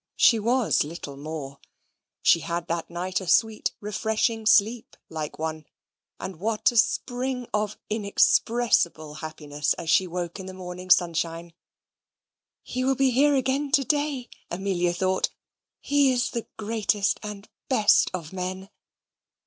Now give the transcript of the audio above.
She was little more. She had that night a sweet refreshing sleep, like one and what a spring of inexpressible happiness as she woke in the morning sunshine! "He will be here again to day," Amelia thought. "He is the greatest and best of men."